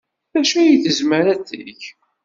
D acu ay tezmer ad teg?